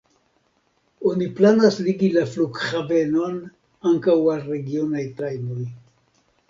Oni planas ligi la flughavenon ankaŭ al regionaj trajnoj.